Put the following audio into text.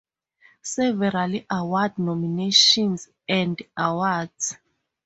Several Award Nominations and Awards.